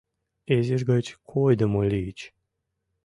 Изиш гыч койдымо лийыч.